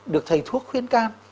được thầy thuốc khuyên can